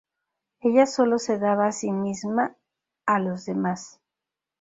Ella solo se daba a sí misma a los demás.